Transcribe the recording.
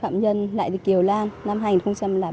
phạm nhân lại thị kiều lan năm hành một trăm linh ba